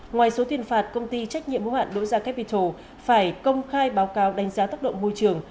ngoài số thiền phạt công ty trách nhiệm hữu hạn đỗ gia capital phải công khai báo cáo đánh giá tốc độ môi trường